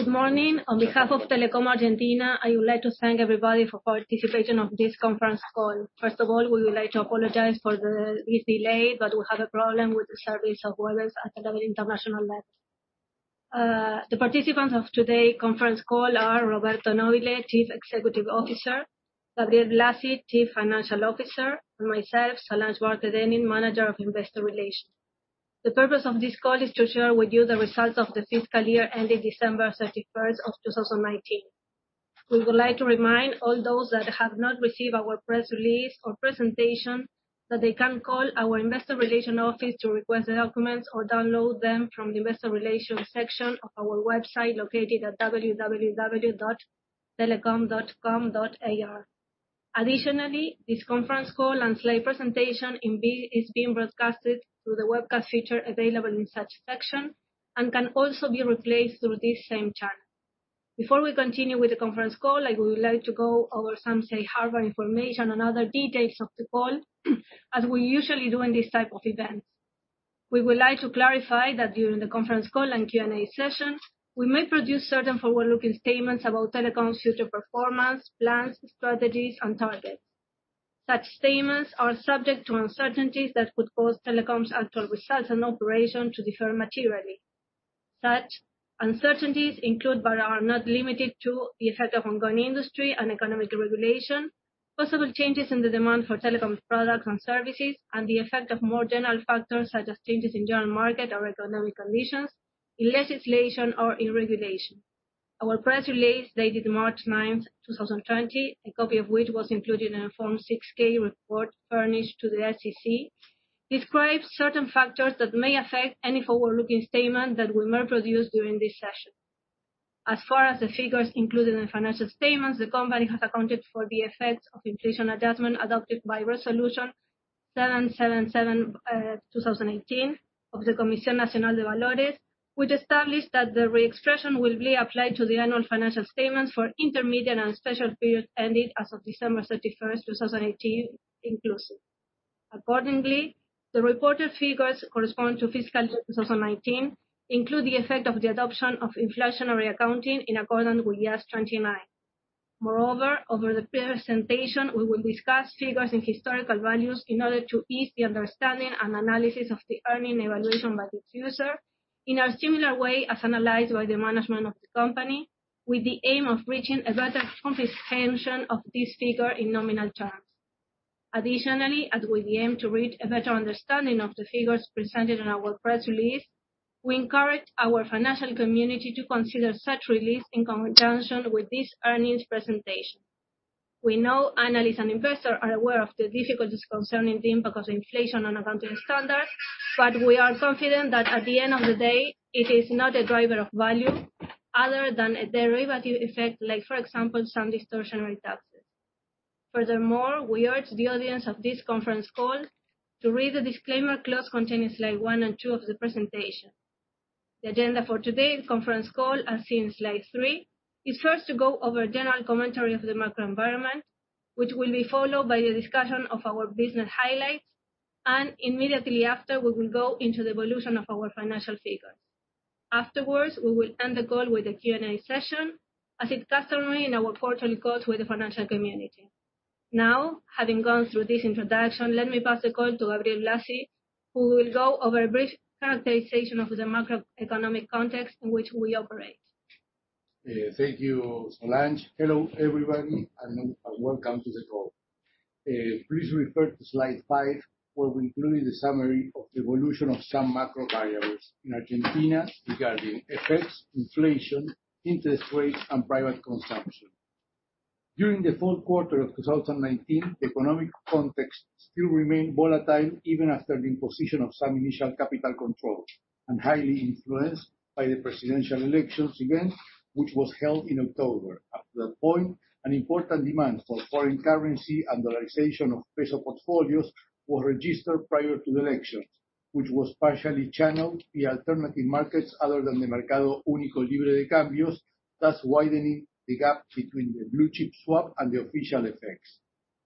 Good morning. On behalf of Telecom Argentina, I would like to thank everybody for participation of this conference call. First of all, we would like to apologize for the brief delay, but we have a problem with the service of Webex at the level international level. The participants of today conference call are Roberto Nobile, Chief Executive Officer, Gabriel Blasi, Chief Financial Officer, and myself, Solange Barthe Dennin, Manager of Investor Relations. The purpose of this call is to share with you the results of the fiscal year ending December 31st of 2019. We would like to remind all those that have not received our press release or presentation that they can call our Investor Relations office to request the documents or download them from the Investor Relations section of our website, located at www.telecom.com.ar. Additionally, this conference call and slide presentation is being broadcasted through the webcast feature available in such section, and can also be replayed through this same channel. Before we continue with the conference call, I would like to go over some safe harbor information and other details of the call as we usually do in these type of events. We would like to clarify that during the conference call and Q&A session, we may produce certain forward-looking statements about Telecom's future performance, plans, strategies, and targets. Such statements are subject to uncertainties that could cause Telecom's actual results and operation to differ materially. Such uncertainties include but are not limited to the effect of ongoing industry and economic regulation, possible changes in the demand for Telecom's products and services, and the effect of more general factors such as changes in general market or economic conditions, in legislation or in regulation. Our press release dated March 9, 2020, a copy of which was included in a Form 6-K report furnished to the SEC, describes certain factors that may affect any forward-looking statement that we may produce during this session. As far as the figures included in financial statements, the company has accounted for the effects of inflation adjustment adopted by Resolution 777/2018 of the Comisión Nacional de Valores, which established that the re-expression will be applied to the annual financial statements for intermediate and special periods ending as of December 31, 2018 inclusive. Accordingly, the reported figures correspond to fiscal year 2019 include the effect of the adoption of inflationary accounting in accordance with IAS 29. Moreover, over the presentation, we will discuss figures in historical values in order to ease the understanding and analysis of the earnings evaluation by the user in a similar way as analyzed by the management of the company with the aim of reaching a better comprehension of this figure in nominal terms. As we aim to reach a better understanding of the figures presented on our press release, we encourage our financial community to consider such release in conjunction with this earnings presentation. We know analysts and investors are aware of the difficulties concerning the impact of inflation on accounting standards. We are confident that at the end of the day, it is not a driver of value other than a derivative effect like, for example, some distortionary taxes. Furthermore, we urge the audience of this conference call to read the disclaimer clause contained in slide one and two of the presentation. The agenda for today's conference call, as seen in slide three, is first to go over a general commentary of the macro environment, which will be followed by the discussion of our business highlights. Immediately after, we will go into the evolution of our financial figures. Afterwards, we will end the call with a Q&A session as is customary in our quarterly calls with the financial community. Having gone through this introduction, let me pass the call to Gabriel Blasi, who will go over a brief characterization of the macroeconomic context in which we operate. Thank you, Solange. Hello, everybody, and welcome to the call. Please refer to slide five, where we included the summary of the evolution of some macro variables in Argentina regarding FX, inflation, interest rates, and private consumption. During the fourth quarter of 2019, the economic context still remained volatile even after the imposition of some initial capital controls, and highly influenced by the presidential elections event, which was held in October. At that point, an important demand for foreign currency and dollarization of peso portfolios was registered prior to the elections, which was partially channeled via alternative markets other than the Mercado Único y Libre de Cambios, thus widening the gap between the blue chip swap and the official FX.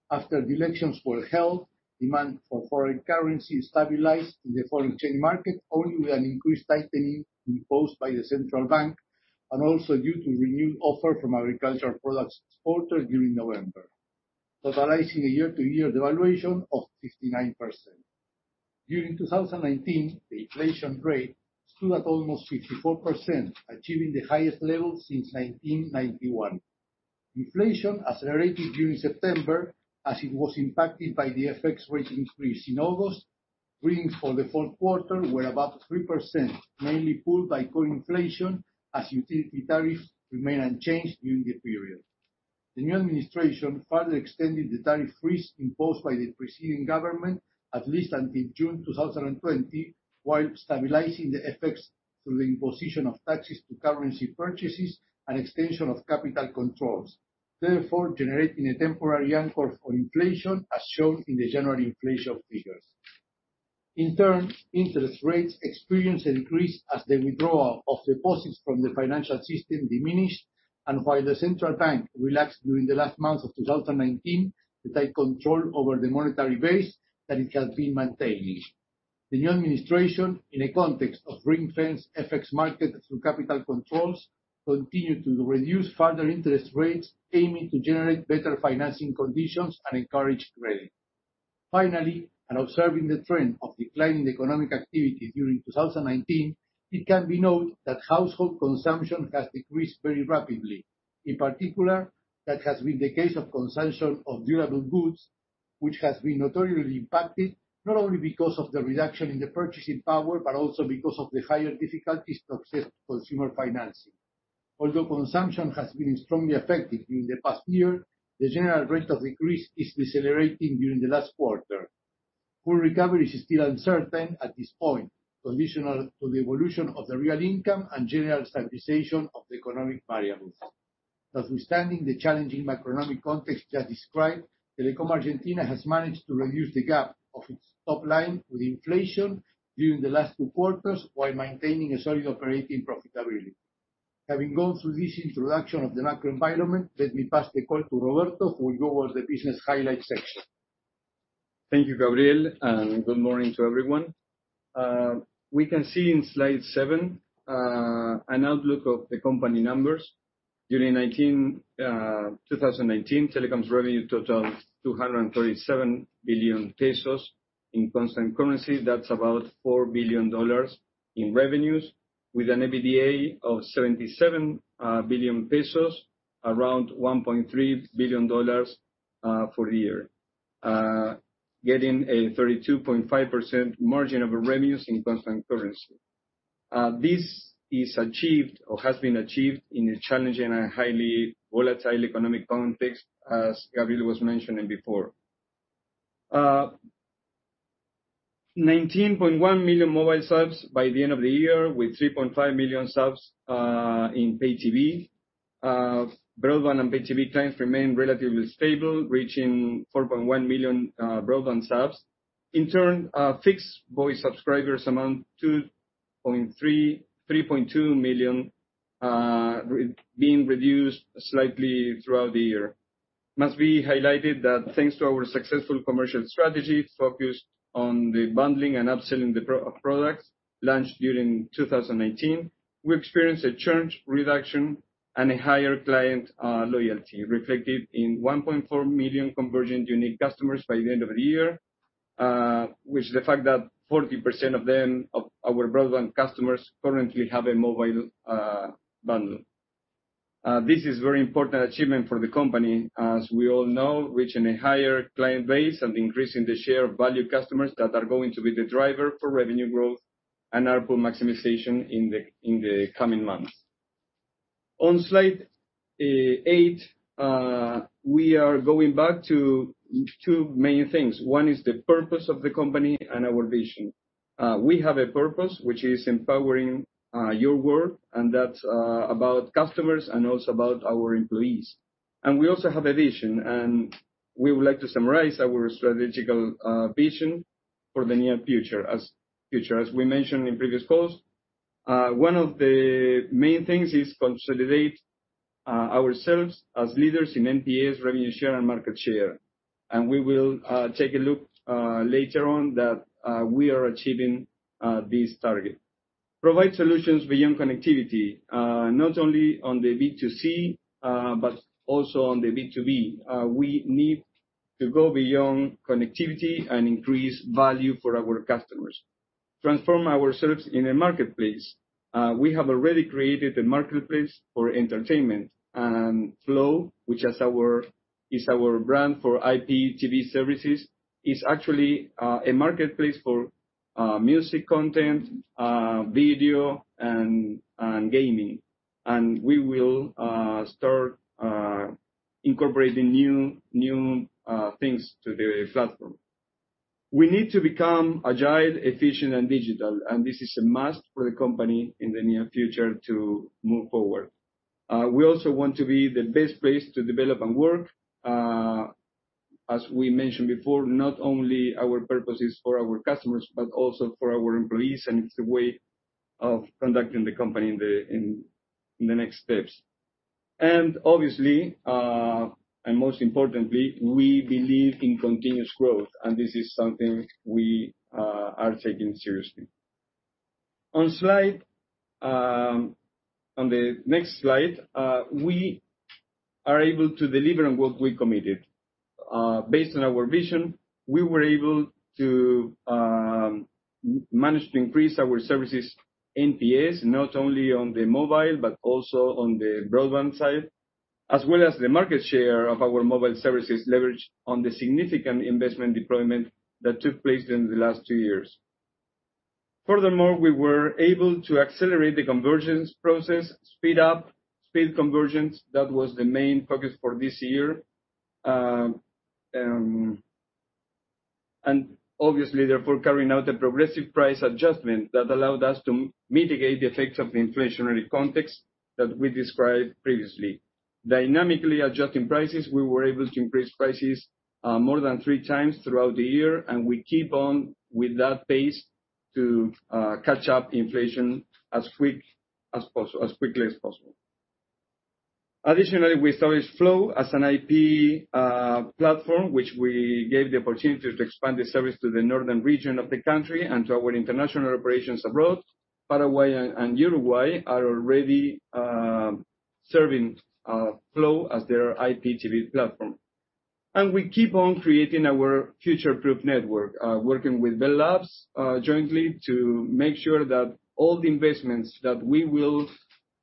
After the elections were held, demand for foreign currency stabilized in the foreign exchange market only with an increased tightening imposed by the central bank, and also due to renewed offer from agricultural products exported during November, totalizing a year-to-year devaluation of 59%. During 2019, the inflation rate stood at almost 54%, achieving the highest level since 1991. Inflation accelerated during September as it was impacted by the FX rate increase in August. Readings for the fourth quarter were above 3%, mainly fueled by core inflation as utility tariffs remained unchanged during the period. The new administration further extended the tariff freeze imposed by the preceding government at least until June 2020, while stabilizing the FX through the imposition of taxes to currency purchases and extension of capital controls, therefore generating a temporary anchor for inflation as shown in the January inflation figures. In turn, interest rates experienced an increase as the withdrawal of deposits from the financial system diminished, and while the central bank relaxed during the last month of 2019, the tight control over the monetary base that it had been maintaining. The new administration, in a context of ring-fence FX market through capital controls, continued to reduce further interest rates, aiming to generate better financing conditions and encourage credit. Finally, observing the trend of declining economic activity during 2019, it can be noted that household consumption has decreased very rapidly. In particular, that has been the case of consumption of durable goods, which has been notoriously impacted, not only because of the reduction in the purchasing power, but also because of the higher difficulties to access consumer financing. Although consumption has been strongly affected in the past year, the general rate of decrease is decelerating during the last quarter. Full recovery is still uncertain at this point, conditional to the evolution of the real income and general stabilization of the economic variables. Notwithstanding the challenging macroeconomic context just described, Telecom Argentina has managed to reduce the gap of its top line with inflation during the last two quarters while maintaining a solid operating profitability. Having gone through this introduction of the macro environment, let me pass the call to Roberto, who will go over the business highlights section. Thank you, Gabriel, and good morning to everyone. We can see in slide seven an outlook of the company numbers. During 2019, Telecom's revenue totaled 237 billion pesos. In constant currency, that's about $4 billion in revenues, with an EBITDA of 77 billion pesos, around $1.3 billion for the year, getting a 32.5% margin of revenues in constant currency. This has been achieved in a challenging and highly volatile economic context, as Gabriel was mentioning before. 19.1 million mobile subs by the end of the year, with 3.5 million subs in Pay TV. Broadband and Pay TV clients remain relatively stable, reaching 4.1 million broadband subs. Fixed voice subscribers amount to 3.2 million, being reduced slightly throughout the year. Must be highlighted that thanks to our successful commercial strategy focused on the bundling and upselling of products launched during 2019, we experienced a churn reduction and a higher client loyalty, reflected in 1.4 million convergent unique customers by the end of the year, with the fact that 40% of our broadband customers currently have a mobile bundle. This is a very important achievement for the company, as we all know, reaching a higher client base and increasing the share of value customers that are going to be the driver for revenue growth and ARPU maximization in the coming months. On slide eight, we are going back to two main things. One is the purpose of the company and our vision. We have a purpose, which is empowering your world, that's about customers and also about our employees. We also have a vision, and we would like to summarize our strategic vision for the near future. As we mentioned in previous calls, one of the main things is consolidate ourselves as leaders in NPS, revenue share, and market share. We will take a look later on that we are achieving this target. Provide solutions beyond connectivity, not only on the B2C, but also on the B2B. We need to go beyond connectivity and increase value for our customers. Transform ourselves in a marketplace. We have already created a marketplace for entertainment, and Flow, which is our brand for IP TV services, is actually a marketplace for music content, video, and gaming. We will start incorporating new things to the platform. We need to become agile, efficient, and digital, and this is a must for the company in the near future to move forward. We also want to be the best place to develop and work. As we mentioned before, not only our purpose is for our customers, but also for our employees. It's the way of conducting the company in the next steps. Obviously, most importantly, we believe in continuous growth. This is something we are taking seriously. On the next slide, we are able to deliver on what we committed. Based on our vision, we were able to manage to increase our services NPS, not only on the mobile, but also on the broadband side, as well as the market share of our mobile services leveraged on the significant investment deployment that took place in the last two years. Furthermore, we were able to accelerate the convergence process, speed up convergence. That was the main focus for this year. Obviously, therefore, carrying out a progressive price adjustment that allowed us to mitigate the effects of the inflationary context that we described previously. Dynamically adjusting prices, we were able to increase prices more than three times throughout the year, and we keep on with that pace to catch up inflation as quickly as possible. Additionally, we saw Flow as an IP platform, which we gave the opportunity to expand the service to the northern region of the country and to our international operations abroad. Paraguay and Uruguay are already serving Flow as their IP TV platform. We keep on creating our future-proof network, working with Bell Labs jointly to make sure that all the investments that we will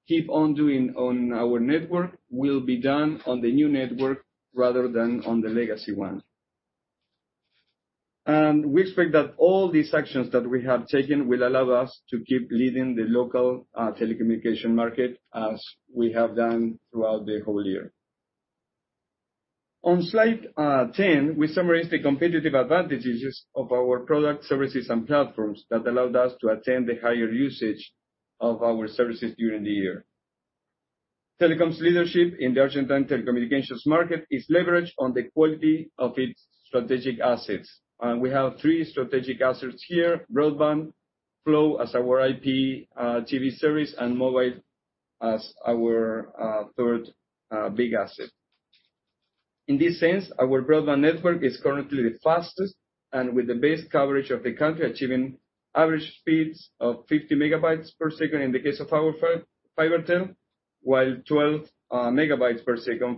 keep on doing on our network will be done on the new network rather than on the legacy one. We expect that all these actions that we have taken will allow us to keep leading the local telecommunication market as we have done throughout the whole year. On slide 10, we summarized the competitive advantages of our product services and platforms that allowed us to attain the higher usage of our services during the year. Telecom's leadership in the Argentine telecommunications market is leveraged on the quality of its strategic assets. We have three strategic assets here, broadband, Flow as our IP TV service, and mobile as our third big asset. In this sense, our broadband network is currently the fastest and with the best coverage of the country, achieving average speeds of 50 Mbps in the case of our Fiber to the Home, while 12 MBps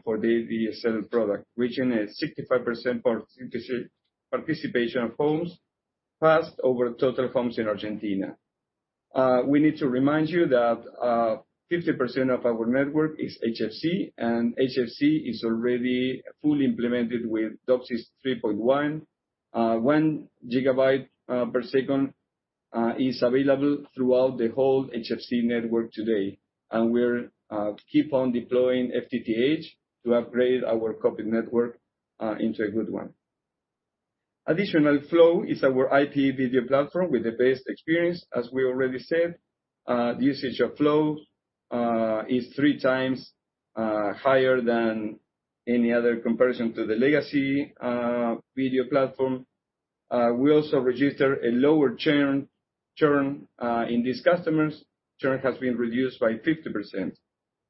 for the DSL product, reaching a 65% participation of homes passed over total homes in Argentina. We need to remind you that 50% of our network is HFC, and HFC is already fully implemented with DOCSIS 3.1. 1 GBps is available throughout the whole HFC network today. We'll keep on deploying FTTH to upgrade our copper network into a good one. Additional Flow is our IP video platform with the best experience. As we already said, the usage of Flow is 3x higher than any other comparison to the legacy video platform. We also register a lower churn in these customers. Churn has been reduced by 50%.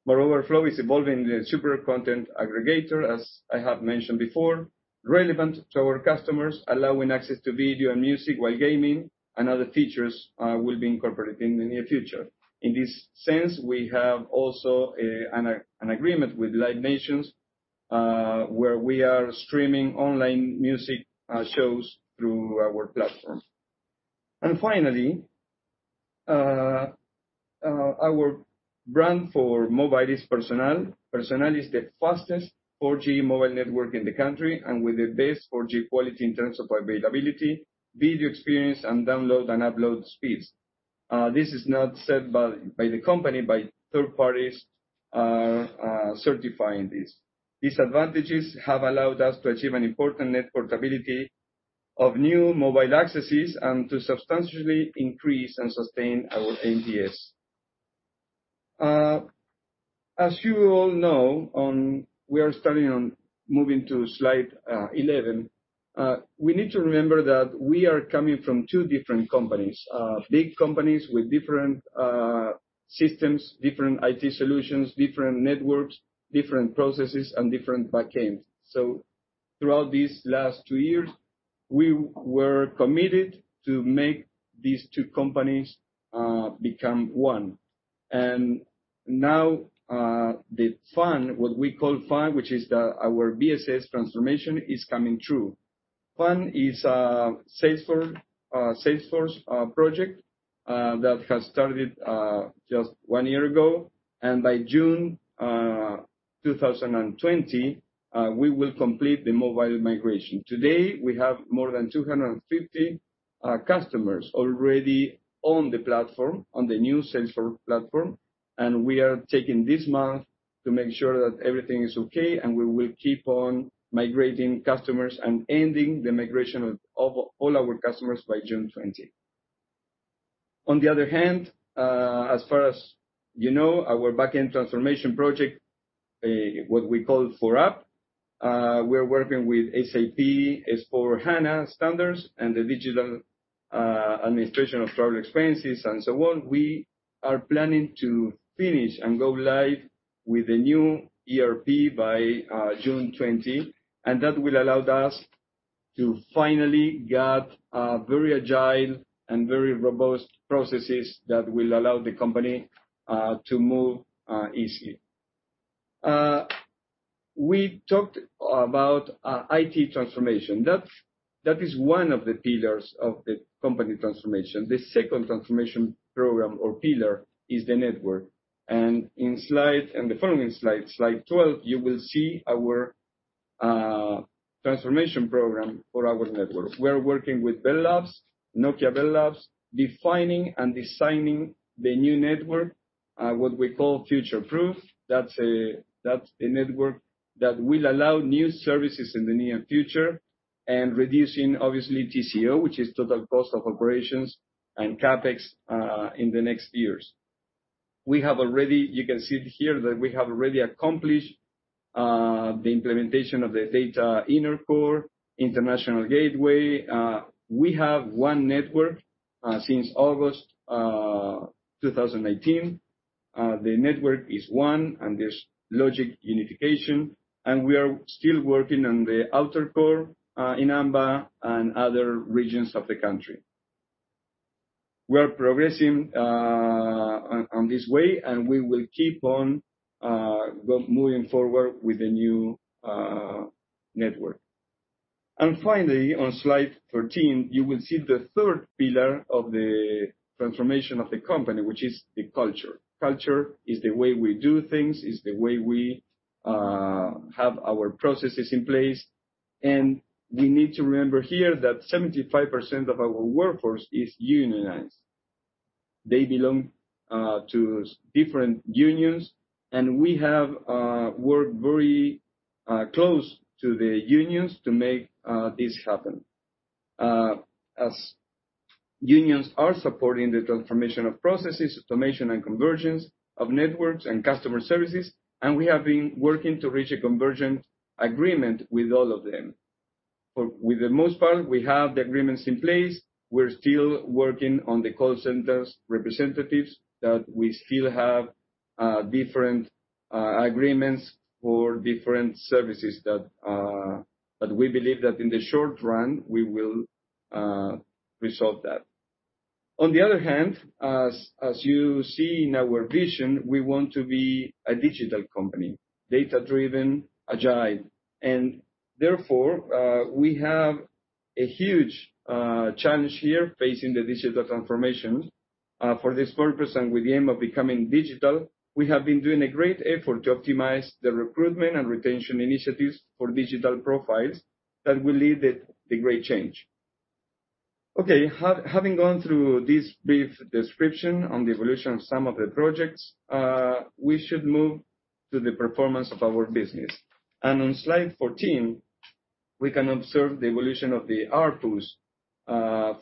Moreover, Flow is evolving the super content aggregator, as I have mentioned before, relevant to our customers, allowing access to video and music while gaming and other features will be incorporated in the near future. In this sense, we have also an agreement with Live Nation, where we are streaming online music shows through our platform. Finally, our brand for mobile is Personal. Personal is the fastest 4G mobile network in the country and with the best 4G quality in terms of availability, video experience, and download and upload speeds. This is not said by the company, by third parties certifying this. These advantages have allowed us to achieve an important network portability of new mobile accesses and to substantially increase and sustain our NPS. You all know, we are starting on moving to slide 11. We need to remember that we are coming from two different companies, big companies with different systems, different IT solutions, different networks, different processes, and different backends. Throughout these last two years, we were committed to make these two companies become one. Now, the FUN, what we call FUN, which is our BSS transformation, is coming true. FUN is a Salesforce project that has started just one year ago, and by June 2020, we will complete the mobile migration. Today, we have more than 250 customers already on the platform, on the new Salesforce platform, and we are taking this month to make sure that everything is okay, and we will keep on migrating customers and ending the migration of all our customers by June 20. On the other hand, as far as you know, our backend transformation project, what we call For Up, we're working with SAP S/4HANA standards and the digital administration of travel expenses and so on. We are planning to finish and go live with the new ERP by June 20. That will allow us to finally get very agile and very robust processes that will allow the company to move easily. We talked about IT transformation. That is one of the pillars of the company transformation. The second transformation program or pillar is the network. In the following slide 12, you will see our transformation program for our network. We're working with Bell Labs, Nokia Bell Labs, defining and designing the new network, what we call future-proof. That's a network that will allow new services in the near future and reducing, obviously, TCO, which is total cost of operations and CapEx, in the next years. You can see here that we have already accomplished the implementation of the data inner core, international gateway. We have one network since August 2019. The network is one. There's logic unification. We are still working on the outer core in AMBA and other regions of the country. We are progressing on this way. We will keep on moving forward with the new network. Finally, on Slide 13, you will see the third pillar of the transformation of the company, which is the culture. Culture is the way we do things. It's the way we have our processes in place. We need to remember here that 75% of our workforce is unionized. They belong to different unions. We have worked very close to the unions to make this happen. As unions are supporting the transformation of processes, automation, and convergence of networks and customer services, we have been working to reach a convergent agreement with all of them. For the most part, we have the agreements in place. We're still working on the call center representatives that we still have different agreements for different services that we believe that in the short run, we will resolve that. On the other hand, as you see in our vision, we want to be a digital company, data-driven, agile, and therefore, we have a huge challenge here facing the digital transformation. For this purpose and with the aim of becoming digital, we have been doing a great effort to optimize the recruitment and retention initiatives for digital profiles that will lead the great change. Okay, having gone through this brief description on the evolution of some of the projects, we should move to the performance of our business. On Slide 14, we can observe the evolution of the ARPU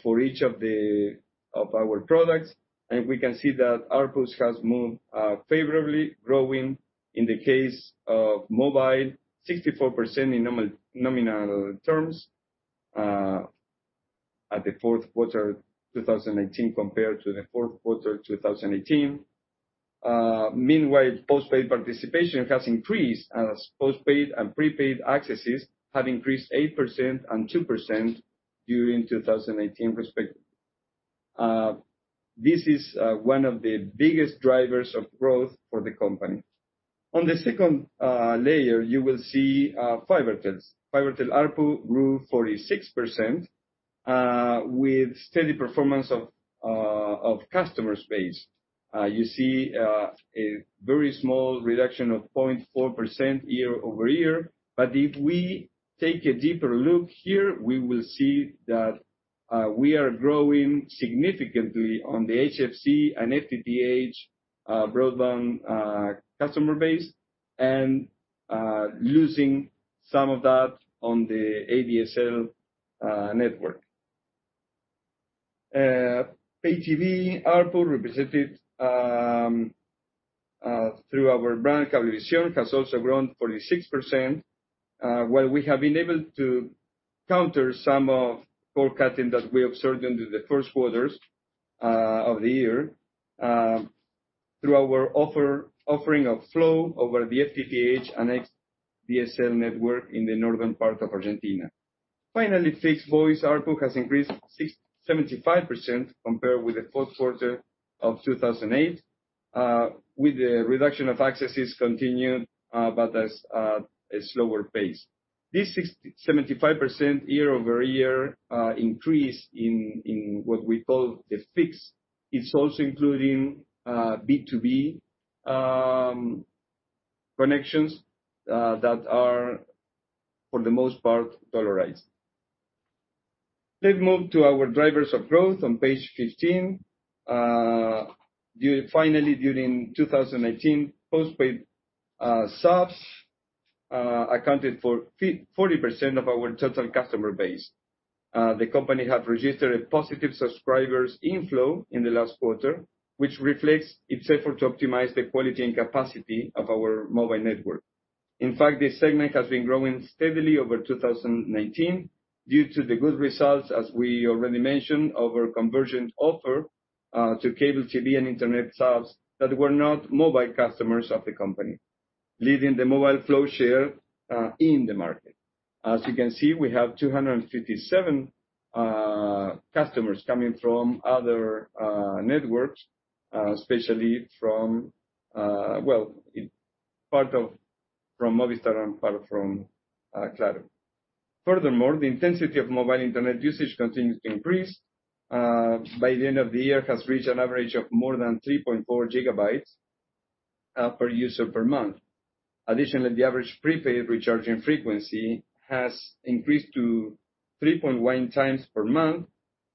for each of our products, and we can see that ARPU has moved favorably, growing in the case of mobile, 64% in nominal terms at the fourth quarter 2019 compared to the fourth quarter 2018. Meanwhile, postpaid participation has increased as postpaid and prepaid accesses have increased 8% and 2% during 2019, respectively. This is one of the biggest drivers of growth for the company. On the second layer, you will see Fiber. Fiber ARPU grew 46% with steady performance of customer space. You see a very small reduction of 0.4% year-over-year. If we take a deeper look here, we will see that we are growing significantly on the HFC and FTTH broadband customer base and losing some of that on the ADSL network. Pay TV ARPU represented through our brand, Cablevisión, has also grown 46%, while we have been able to counter some of forecasting that we observed during the first quarters of the year through our offering of Flow over the FTTH and XDSL network in the northern part of Argentina. Finally, fixed voice ARPU has increased 75% compared with the fourth quarter of 2008, with the reduction of accesses continued, but at a slower pace. This 75% year-over-year increase in what we call the fixed is also including B2B connections that are, for the most part, dollarized. Let's move to our drivers of growth on Page 15. Finally, during 2019, postpaid subs accounted for 40% of our total customer base. The company have registered a positive subscribers inflow in the last quarter, which reflects its effort to optimize the quality and capacity of our mobile network. In fact, this segment has been growing steadily over 2019 due to the good results, as we already mentioned, of our convergent offer to Cablevisión and Internet subs that were not mobile customers of the company, leaving the mobile Flow share in the market. As you can see, we have 257 thousand customers coming from other networks, especially from Movistar and part from Claro. Furthermore, the intensity of mobile Internet usage continues to increase. By the end of the year, it has reached an average of more than 3.4 GB per user per month. Additionally, the average prepaid recharging frequency has increased to 3.1x per month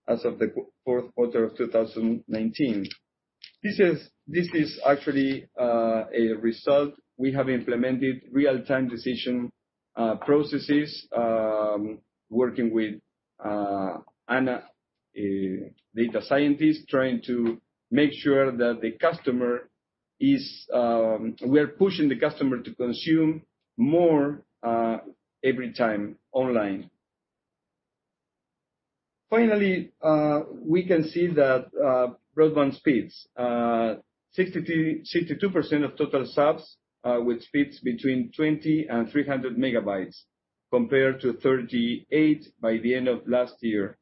as of the fourth quarter of 2019. This is actually a result. We have implemented real-time decision processes, working with analytics data scientist trying to make sure that we are pushing the customer to consume more every time online. We can see that broadband speeds, 62% of total subs with speeds between 20 and 300 MB compared to 38% by the end of last year.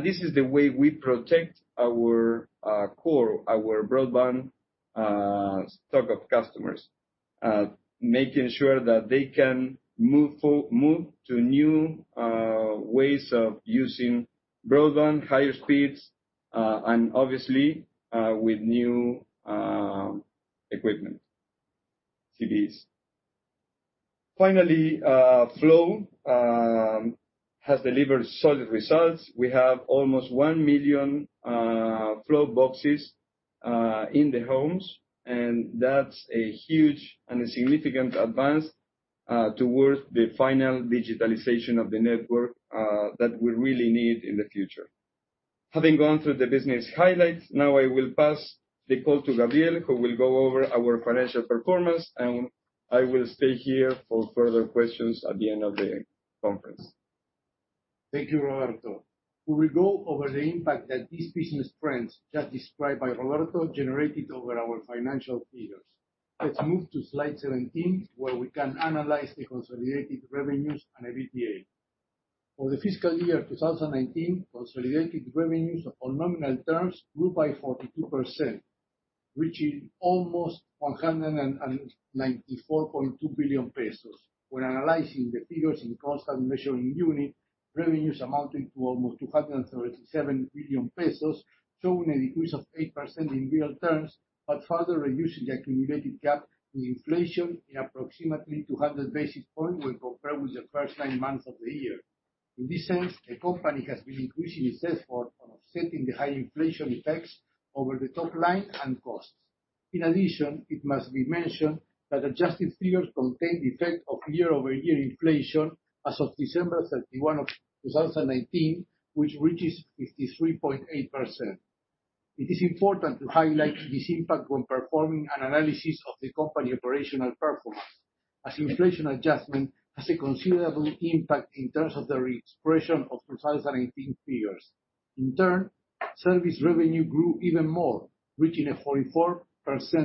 This is the way we protect our core, our broadband stock of customers, making sure that they can move to new ways of using broadband, higher speeds, and obviously, with new equipment, CPE. Flow has delivered solid results. We have almost 1 million Flow boxes in the homes, and that's a huge and a significant advance towards the final digitalization of the network that we really need in the future. Having gone through the business highlights, now I will pass the call to Gabriel, who will go over our financial performance, and I will stay here for further questions at the end of the conference. Thank you, Roberto. We will go over the impact that these business trends just described by Roberto generated over our financial figures. Let's move to slide 17, where we can analyze the consolidated revenues and EBITDA. For the fiscal year 2019, consolidated revenues on nominal terms grew by 42%, reaching almost 194.2 billion pesos. When analyzing the figures in constant measuring unit, revenues amounted to almost 237 billion pesos, showing a decrease of 8% in real terms, further reducing the accumulated gap to inflation in approximately 200 basic points when compared with the first nine months of the year. In this sense, the company has been increasing its effort on offsetting the high inflation effects over the top line and costs. In addition, it must be mentioned that adjusted figures contain the effect of year-over-year inflation as of December 31 of 2019, which reaches 53.8%. It is important to highlight this impact when performing an analysis of the company operational performance, as inflation adjustment has a considerable impact in terms of the re-expression of 2019 figures. Service revenue grew even more, reaching a 44%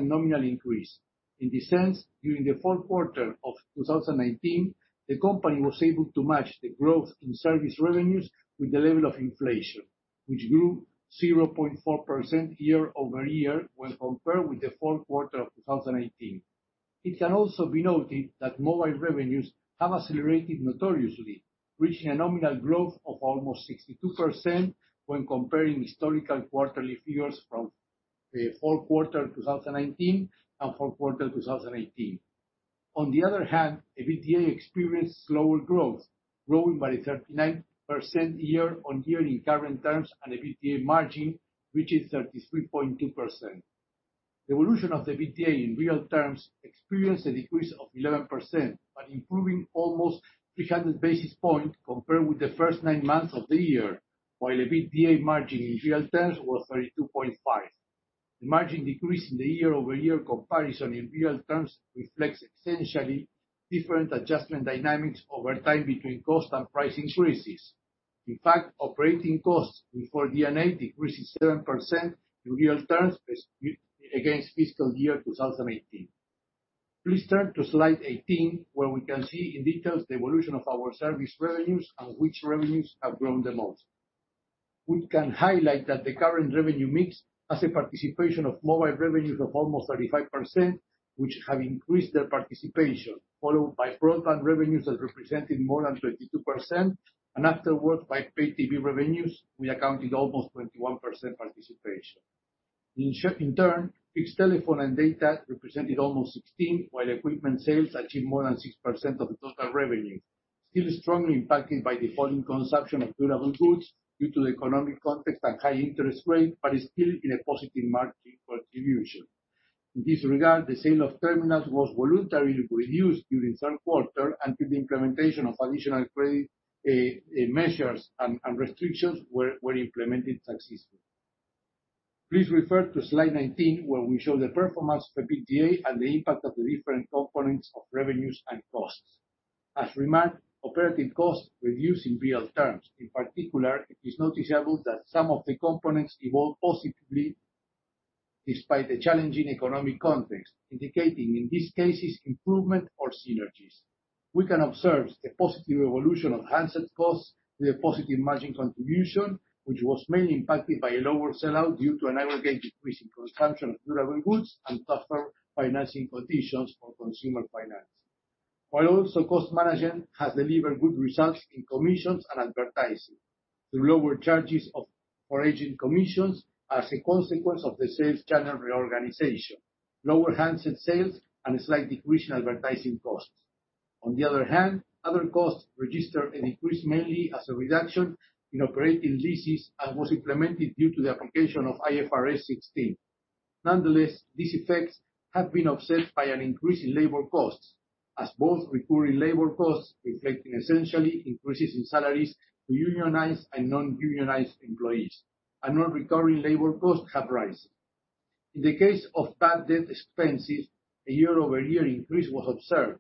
nominal increase. During the fourth quarter of 2019, the company was able to match the growth in service revenues with the level of inflation, which grew 0.4% year-over-year when compared with the fourth quarter of 2018. It can also be noted that mobile revenues have accelerated notoriously, reaching a nominal growth of almost 62% when comparing historical quarterly figures from the fourth quarter 2019 and fourth quarter 2018. EBITDA experienced slower growth, growing by 39% year-on-year in current terms, and EBITDA margin reaches 33.2%. The evolution of the EBITDA in real terms experienced a decrease of 11%, but improving almost 300 basis points compared with the first nine months of the year, while EBITDA margin in real terms was 32.5%. The margin decrease in the year-over-year comparison in real terms reflects essentially different adjustment dynamics over time between cost and price increases. In fact, operating costs before D&A decreased 7% in real terms against fiscal year 2018. Please turn to slide 18, where we can see in detail the evolution of our service revenues and which revenues have grown the most. We can highlight that the current revenue mix has a participation of mobile revenues of almost 35%, which have increased their participation, followed by broadband revenues that represented more than 22%, and afterwards by paid TV revenues, we accounted almost 21% participation. In turn, fixed telephone and data represented almost 16%, while equipment sales achieved more than 6% of the total revenue, still strongly impacted by the falling consumption of durable goods due to the economic context and high interest rate, but still in a positive margin contribution. In this regard, the sale of terminals was voluntarily reduced during the third quarter until the implementation of additional credit measures and restrictions were implemented successfully. Please refer to slide 19, where we show the performance of EBITDA and the impact of the different components of revenues and costs. As remarked, operative costs reduced in real terms. In particular, it is noticeable that some of the components evolved positively despite the challenging economic context, indicating in these cases improvement or synergies. We can observe the positive evolution of handset costs with a positive margin contribution, which was mainly impacted by a lower sell-out due to an aggregate decrease in consumption of durable goods and tougher financing conditions for consumer finance. While also cost management has delivered good results in commissions and advertising through lower charges of origin commissions as a consequence of the sales channel reorganization, lower handset sales, and a slight decrease in advertising costs. On the other hand, other costs registered an increase mainly as a reduction in operating leases and was implemented due to the application of IFRS 16. Nonetheless, these effects have been offset by an increase in labor costs, as both recurring labor costs, reflecting essentially increases in salaries to unionized and non-unionized employees, and non-recurring labor costs have risen. In the case of bad debt expenses, a year-over-year increase was observed.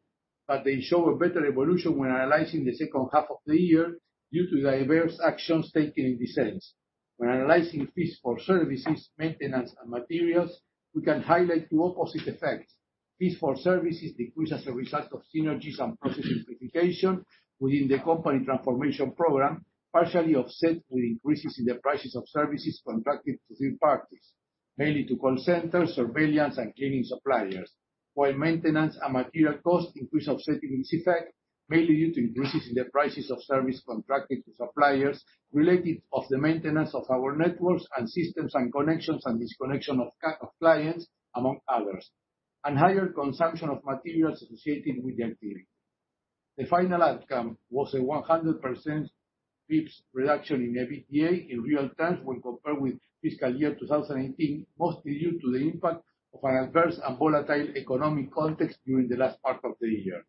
They show a better evolution when analyzing the second half of the year due to the various actions taken in this sense. When analyzing fees for services, maintenance, and materials, we can highlight two opposite effects. Fees for services decrease as a result of synergies and process simplification within the company transformation program, partially offset with increases in the prices of services contracted to third parties, mainly to call center, surveillance, and cleaning suppliers. Maintenance and material costs increase offsetting this effect, mainly due to increases in the prices of services contracted to suppliers related of the maintenance of our networks and systems and connections and disconnection of clients, among others, and higher consumption of materials associated with the activity. The final outcome was a 100% reduction in the EBITDA in real terms when compared with fiscal year 2018, mostly due to the impact of an adverse and volatile economic context during the last part of the year.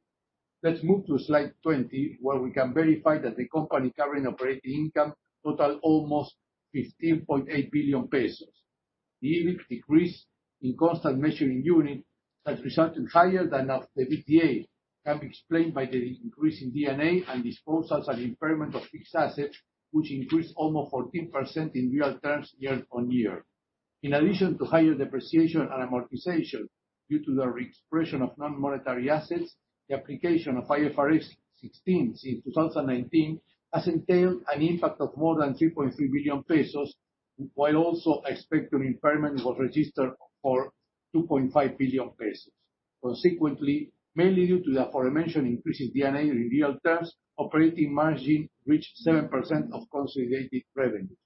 Let's move to slide 20, where we can verify that the company current operating income totaled almost 15.8 billion pesos. The EBIT decrease in constant measuring unit that resulted higher than the EBITDA, can be explained by the increase in D&A and disposals and impairment of fixed assets, which increased almost 14% in real terms year-on-year. In addition to higher depreciation and amortization due to the reexpression of non-monetary assets, the application of IFRS 16 since 2019 has entailed an impact of more than 3.3 billion pesos, while also expected impairment was registered for 2.5 billion pesos. Consequently, mainly due to the aforementioned increase in D&A in real terms, operating margin reached 7% of consolidated revenues.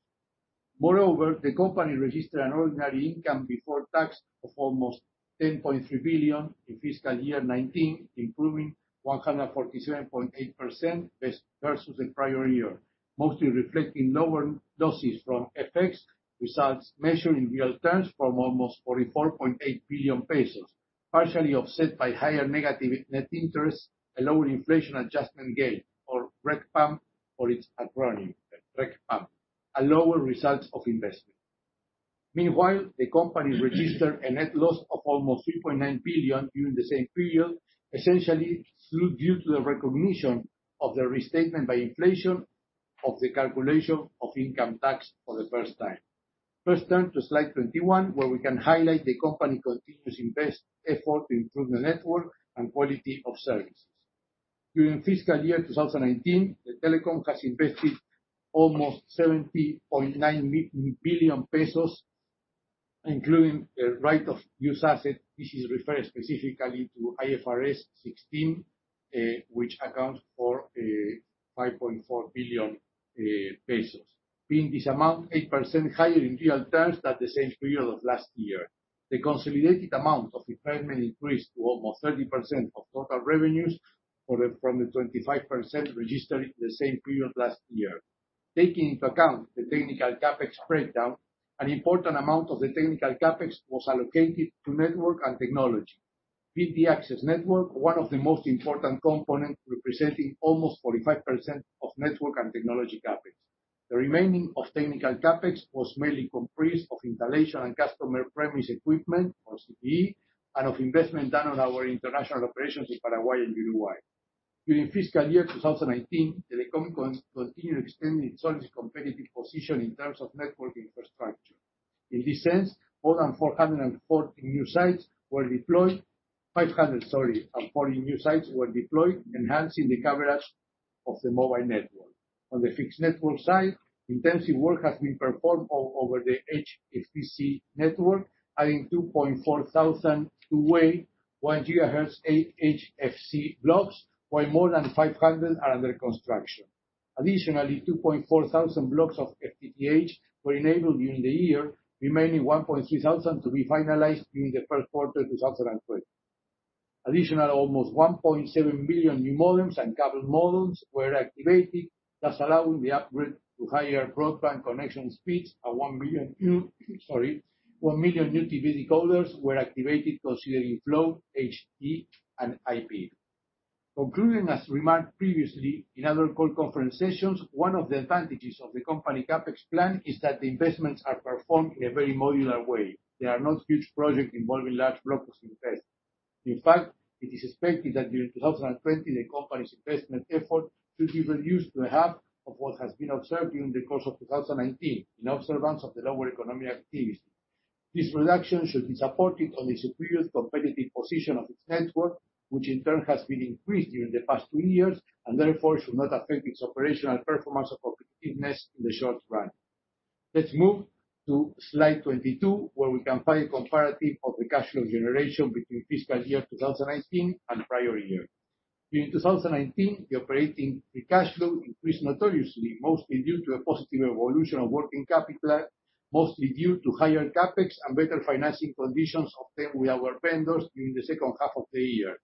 Moreover, the company registered an ordinary income before tax of almost 10.3 billion in fiscal year 2019, improving 147.8% versus the prior year, mostly reflecting lower losses from FX results measured in real terms from almost 44.8 billion pesos, partially offset by higher negative net interest, a lower inflation adjustment gain or RECPAM for its acronym, a lower result of investment. Meanwhile, the company registered a net loss of almost 3.9 billion during the same period, essentially due to the recognition of the restatement by inflation of the calculation of income tax for the first time. Let's turn to slide 21, where we can highlight the company continuous invest effort to improve the network and quality of services. During fiscal year 2019, Telecom Argentina has invested almost 70.9 billion pesos, including the right of use asset. This is referred specifically to IFRS 16, which accounts for 5.4 billion pesos. Being this amount 8% higher in real terms than the same period of last year. The consolidated amount of impairment increased to almost 30% of total revenues from the 25% registered the same period last year. Taking into account the technical CapEx breakdown, an important amount of the technical CapEx was allocated to network and technology. With the access network, one of the most important components representing almost 45% of network and technology CapEx. The remaining of technical CapEx was mainly comprised of installation and customer premise equipment or CPE, and of investment done on our international operations in Paraguay and Uruguay. During fiscal year 2019, Telecom Argentina continued to extend its solid competitive position in terms of network infrastructure. In this sense, more than 440 new sites were deployed, 540 new sites were deployed, enhancing the coverage of the mobile network. On the fixed network side, intensive work has been performed over the HFC network, adding 2,400 two-way 1 GHz HFC blocks, while more than 500 are under construction. Additionally, 2.4 thousand blocks of FTTH were enabled during the year, remaining 1,300 to be finalized during the first quarter 2020. Additional almost 1.7 million new modems and cable modems were activated, thus allowing the upgrade to higher broadband connection speeds at 1 million new TV decoders were activated considering Flow, HD, and IP. Concluding, as remarked previously in other call conference sessions, one of the advantages of the company CapEx plan is that the investments are performed in a very modular way. They are not huge projects involving large blocks to invest. In fact, it is expected that during 2020, the company's investment effort should be reduced to half of what has been observed during the course of 2019 in observance of the lower economic activity. This reduction should be supported on the superior competitive position of its network, which in turn has been increased during the past two years, and therefore should not affect its operational performance or competitiveness in the short run. Let's move to slide 22, where we can find a comparative of the cash flow generation between fiscal year 2019 and the prior year. During 2019, the operating free cash flow increased notoriously, mostly due to a positive evolution of working capital, mostly due to higher CapEx and better financing conditions obtained with our vendors during the second half of the year.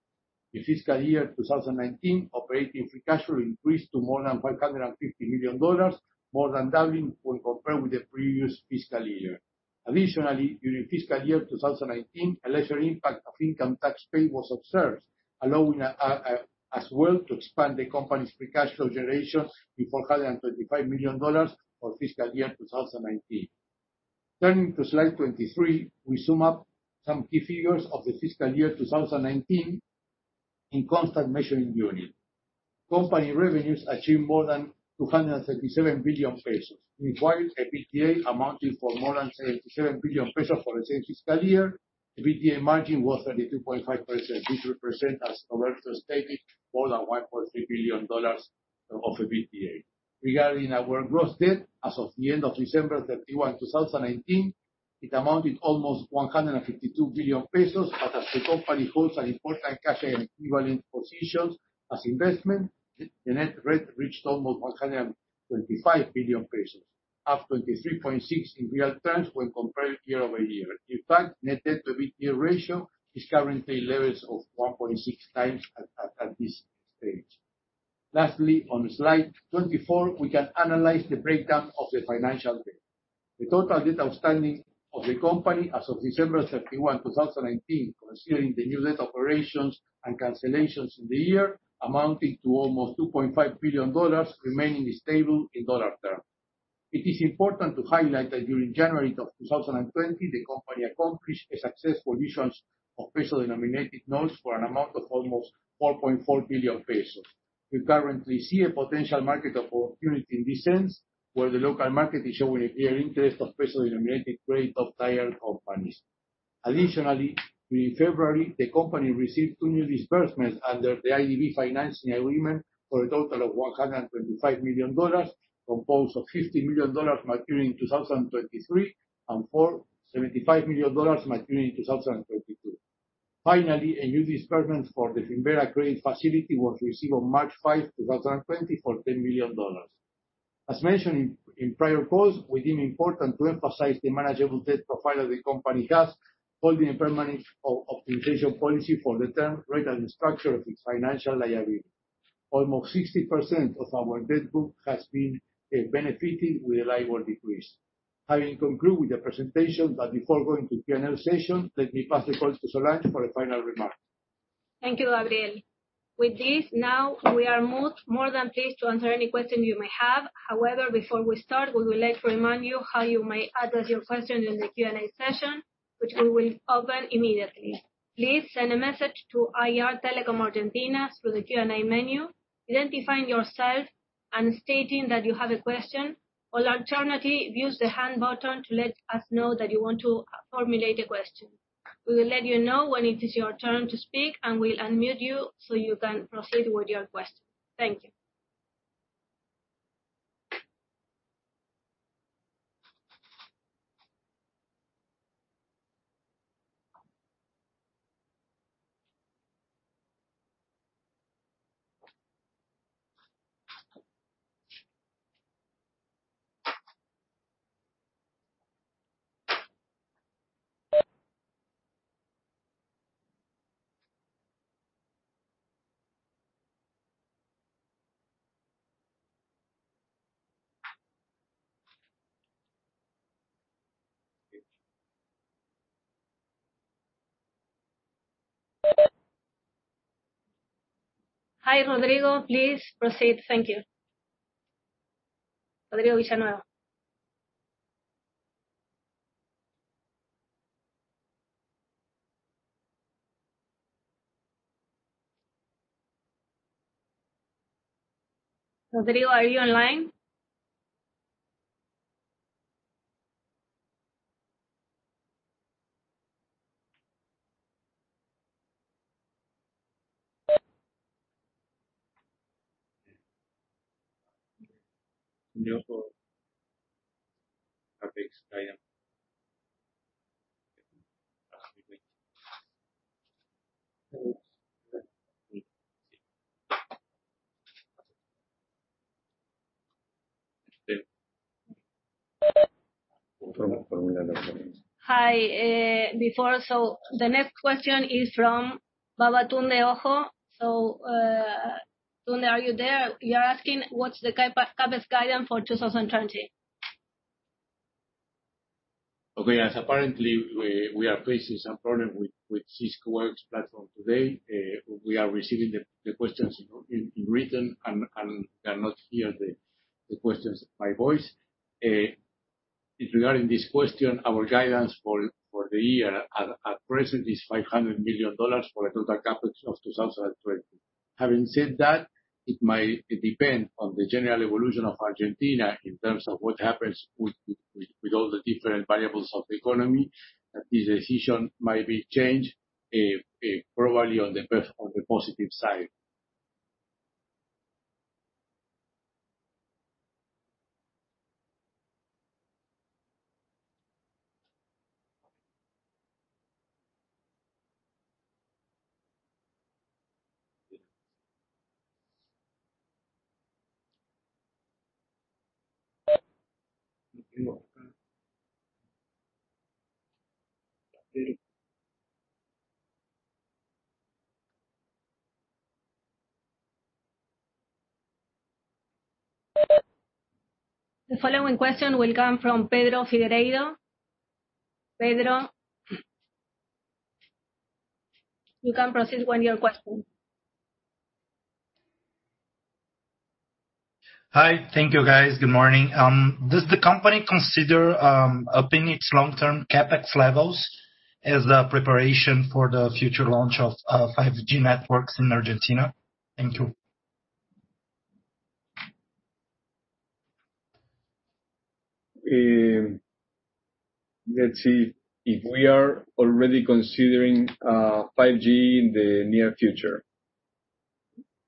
In fiscal year 2019, operating free cash flow increased to more than $550 million, more than doubling when compared with the previous fiscal year. Additionally, during fiscal year 2019, a lesser impact of income tax paid was observed, allowing as well to expand the company's free cash flow generation to ARS 425 million for fiscal year 2019. Turning to slide 23, we sum up some key figures of the fiscal year 2019 in constant measuring unit. Company revenues achieved more than 237 billion pesos, meanwhile, EBITDA amounting for more than 77 billion pesos for the same fiscal year. The EBITDA margin was 32.5%, which represent, as Roberto stated, more than ARS 1.3 billion of EBITDA. As the company holds an important cash equivalent positions as investment, the net debt reached almost 125 billion pesos, up 23.6% in real terms when compared year-over-year. In fact, net debt-to-EBITDA ratio is currently levels of 1.6 times at this stage. Lastly, on slide 24, we can analyze the breakdown of the financial debt. The total debt outstanding of the company as of December 31, 2019, considering the new net operations and cancellations in the year amounting to almost $2.5 billion, remaining stable in dollar term. It is important to highlight that during January of 2020, the company accomplished a successful issuance of peso-denominated notes for an amount of almost 4.4 billion pesos. We currently see a potential market opportunity in this sense, where the local market is showing a clear interest of peso-denominated trade of tier companies. Additionally, in February, the company received two new disbursements under the IDB financing agreement for a total of $125 million, composed of $50 million maturing in 2023 and for $75 million maturing in 2022. Finally, a new disbursement for the Finnvera credit facility was received on March 5, 2020, for $10 million. As mentioned in prior calls, we deem important to emphasize the manageable debt profile the company has, holding a permanent optimization policy for the term, rate, and structure of its financial liability. Almost 60% of our debt book has been benefitting with a liable decrease. Having concluded with the presentation, but before going to Q&A session, let me pass the call to Solange for a final remark. Thank you, Gabriel. With this, now we are more than pleased to answer any questions you may have. Before we start, we would like to remind you how you may address your questions in the Q&A session, which we will open immediately. Please send a message to IR Telecom Argentina through the Q&A menu, identifying yourself and stating that you have a question, or alternatively, use the hand button to let us know that you want to formulate a question. We will let you know when it is your turn to speak. We'll unmute you so you can proceed with your question. Thank you. Hi, Rodrigo, please proceed. Thank you. Rodrigo Villanueva. Rodrigo, are you online? Hi. Before, the next question is from Babatunde Ojo. Tunde, are you there? You are asking, what's the CapEx guidance for 2020? Okay. Apparently, we are facing some problem with Cisco Webex platform today. We are receiving the questions in written and we cannot hear the questions by voice. Regarding this question, our guidance for the year at present is $500 million for a total CapEx of 2020. Having said that, it might depend on the general evolution of Argentina in terms of what happens with all the different variables of the economy. This decision might be changed probably on the positive side. The following question will come from Pedro Figueiredo. Pedro, you can proceed with your question. Hi. Thank you, guys. Good morning. Does the company consider upping its long-term CapEx levels as the preparation for the future launch of 5G networks in Argentina? Thank you. Let's see if we are already considering 5G in the near future.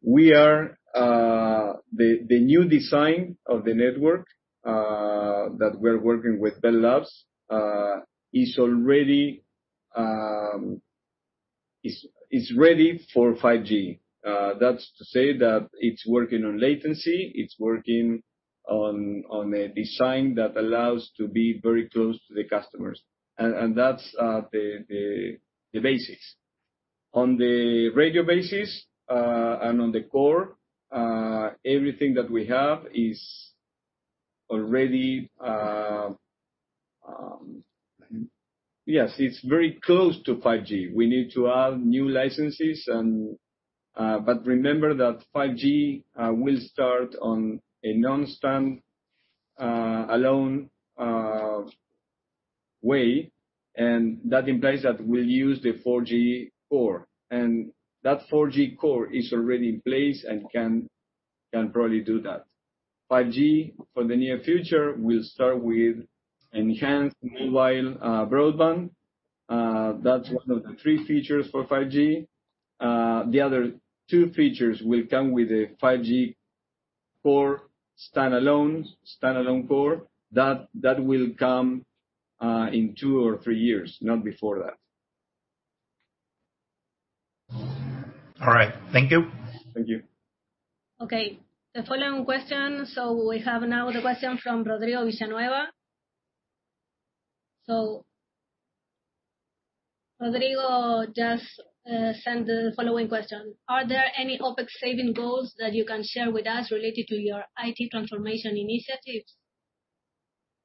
The new design of the network that we're working with Bell Labs is ready for 5G. That's to say that it's working on latency, it's working on a design that allows to be very close to the customers. That's the basics. On the radio basis, and on the core, everything that we have is very close to 5G. We need to add new licenses. Remember that 5G will start on a non-standalone way, and that implies that we'll use the 4G core. That 4G core is already in place and can probably do that. 5G, for the near future, will start with enhanced mobile broadband. That's one of the three features for 5G. The other two features will come with a 5G core standalone. Standalone core, that will come in two or three years, not before that. All right. Thank you. Thank you. Okay. The following question. We have now the question from Rodrigo Villanueva. Rodrigo just sent the following question: Are there any OpEx saving goals that you can share with us related to your IT transformation initiatives?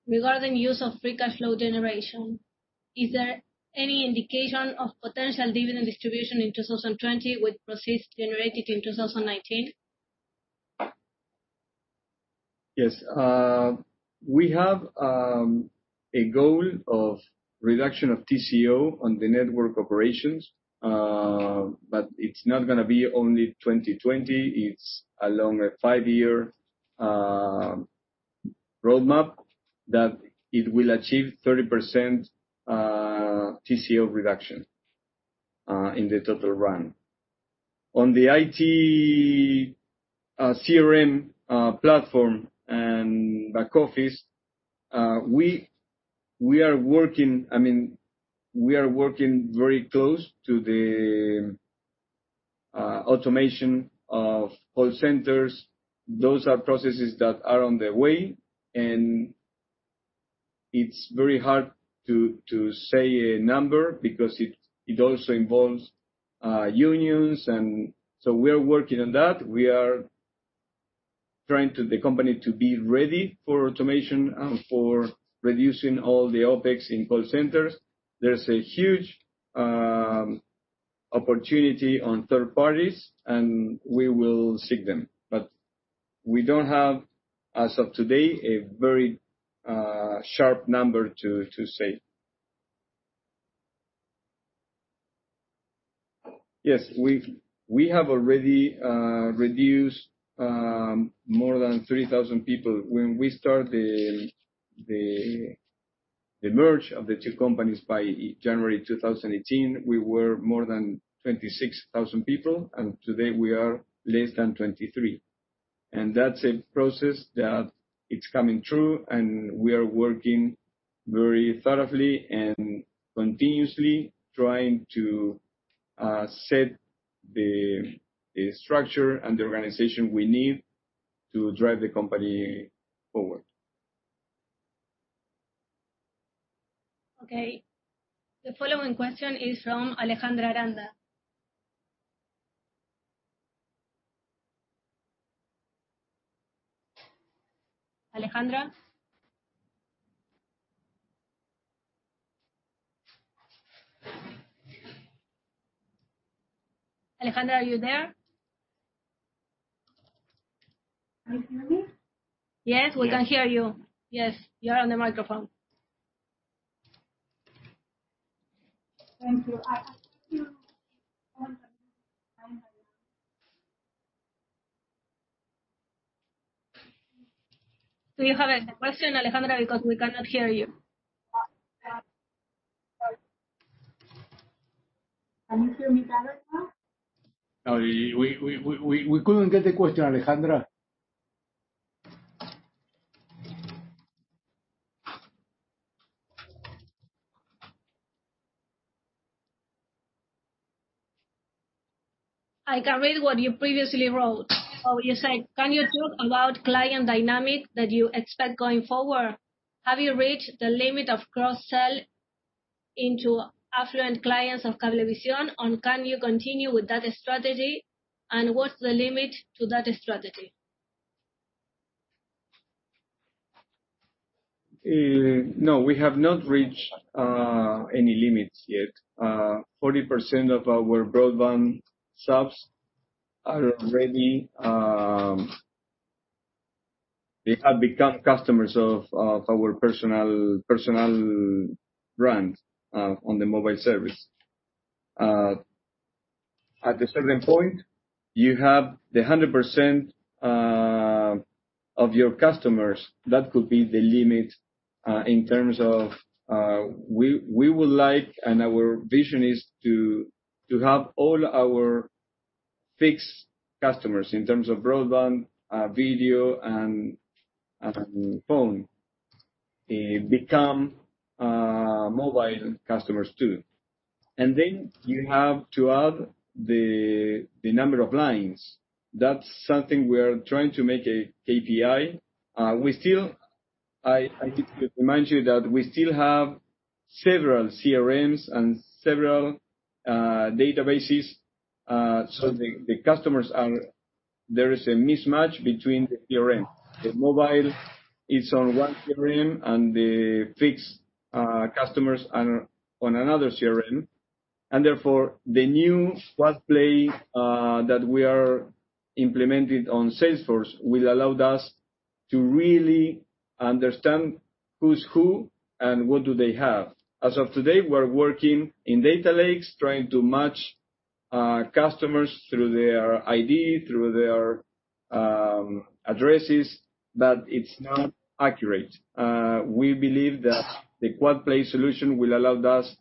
Regarding use of free cash flow generation, is there any indication of potential dividend distribution in 2020 with proceeds generated in 2019? Yes. We have a goal of reduction of TCO on the network operations, but it's not going to be only 2020. It's a longer five-year roadmap that it will achieve 30% TCO reduction in the total run. On the IT CRM platform and back office, we are working very close to the automation of call centers. Those are processes that are on the way, and it's very hard to say a number because it also involves unions, and so we are working on that. We are trying the company to be ready for automation and for reducing all the OpEx in call centers. There's a huge opportunity on third parties, and we will seek them. We don't have, as of today, a very sharp number to say. Yes, we have already reduced more than 3,000 people. When we start the merge of the two companies by January 2018, we were more than 26,000 people, and today we are less than 23. That's a process that it's coming true, and we are working very thoroughly and continuously trying to set the structure and the organization we need to drive the company forward. Okay. The following question is from Alejandra Aranda. Alejandra? Alejandra, are you there? Can you hear me? Yes, we can hear you. Yes, you are on the microphone. Thank you. I- Do you have a question, Alejandra? We cannot hear you. Can you hear me better now? No, we couldn't get the question, Alejandra. I can read what you previously wrote. You said, "Can you talk about client dynamic that you expect going forward? Have you reached the limit of cross-sell into affluent clients of Cablevisión, and can you continue with that strategy? And what's the limit to that strategy? We have not reached any limits yet. 40% of our broadband subs have become customers of our Personal brand on the mobile service. At a certain point, you have the 100% of your customers. That could be the limit. We would like, and our vision is to have all our fixed customers, in terms of broadband, video, and phone, become mobile customers, too. Then you have to add the number of lines. That's something we are trying to make a KPI. I need to remind you that we still have several CRMs and several databases. There is a mismatch between the CRM. The mobile is on one CRM, and the fixed customers are on another CRM. Therefore, the new quad play that we are implementing on Salesforce will allow us to really understand who's who and what do they have. As of today, we're working in data lakes, trying to match customers through their ID, through their addresses, but it's not accurate. We believe that the quad play solution will allow us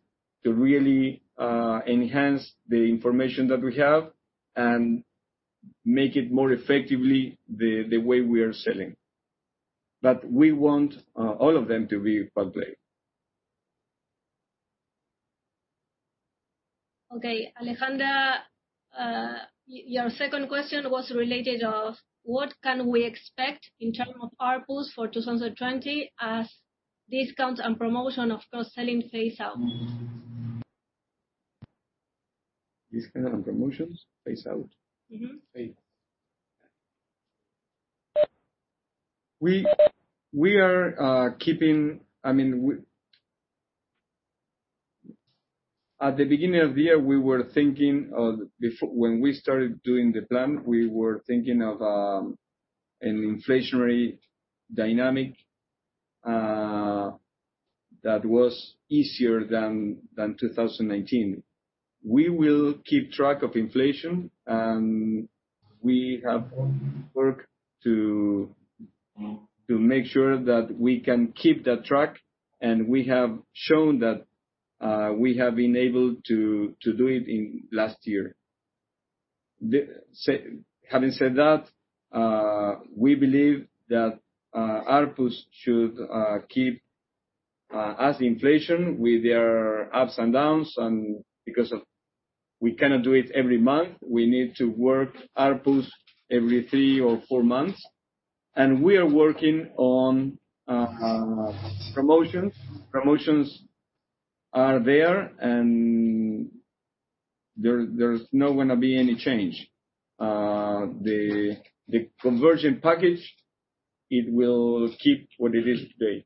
to really enhance the information that we have and make it more effectively the way we are selling. We want all of them to be quad play. Okay. Alejandra, your second question was related of what can we expect in terms of ARPU for 2020 as discount and promotion of cross-selling phase out? Discount and promotions phase out? At the beginning of the year, when we started doing the plan, we were thinking of an inflationary dynamic that was easier than 2019. We will keep track of inflation, and we have done work to make sure that we can keep that track, and we have shown that we have been able to do it in last year. Having said that, we believe that ARPU should keep as inflation with their ups and downs, and because we cannot do it every month, we need to work ARPU every three or four months. We are working on promotions. Promotions are there, and there's not going to be any change. The conversion package, it will keep what it is today.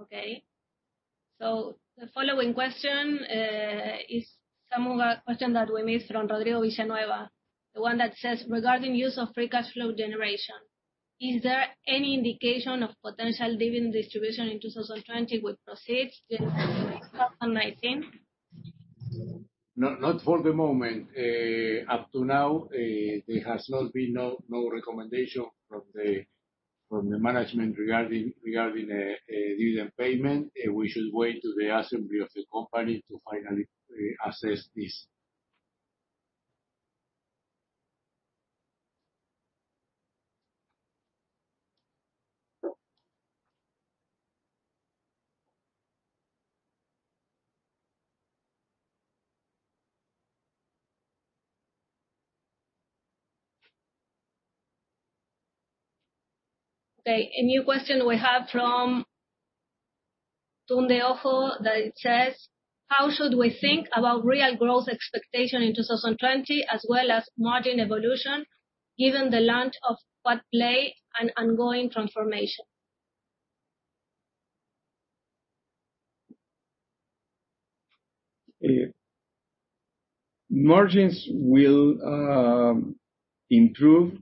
Okay. The following question is somewhat a question that we missed from Rodrigo Villanueva. The one that says, "Regarding use of free cash flow generation, is there any indication of potential dividend distribution in 2020 with proceeds since 2019? Not for the moment. Up to now, there has not been no recommendation from the management regarding the dividend payment. We should wait to the assembly of the company to finally assess this. Okay. A new question we have from Tunde Ojo that says, "How should we think about real growth expectation in 2020 as well as margin evolution given the launch of quad play and ongoing transformation? Margins will improve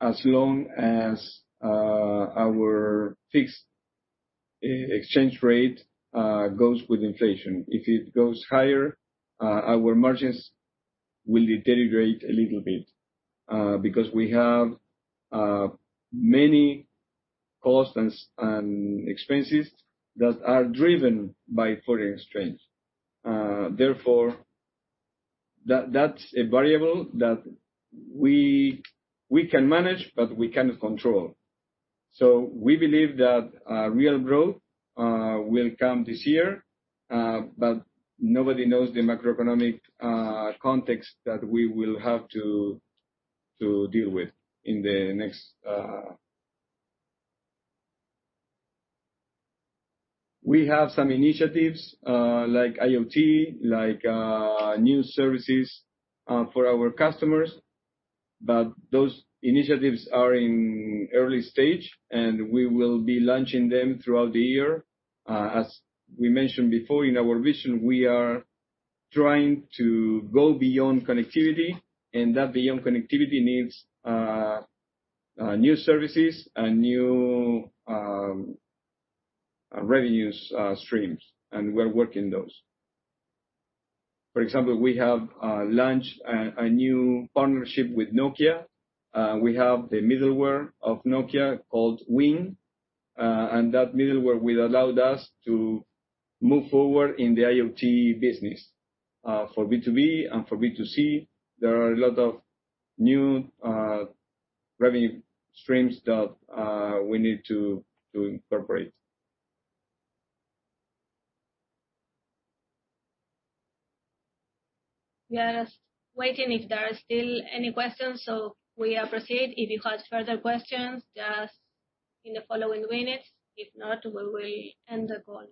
as long as our fixed exchange rate goes with inflation. If it goes higher, our margins will deteriorate a little bit because we have many costs and expenses that are driven by foreign exchange. That's a variable that we can manage, but we cannot control. We believe that real growth will come this year, but nobody knows the macroeconomic context that we will have to deal with. We have some initiatives, like IoT, like new services for our customers, but those initiatives are in early stage, and we will be launching them throughout the year. As we mentioned before, in our vision, we are trying to go beyond connectivity, and that beyond connectivity needs new services and new revenue streams, and we're working those. For example, we have launched a new partnership with Nokia. We have the middleware of Nokia called WING. That middleware will allow us to move forward in the IoT business. For B2B and for B2C, there are a lot of new revenue streams that we need to incorporate. Just waiting if there are still any questions, so we proceed. If you have further questions, just in the following minutes. If not, we will end the call.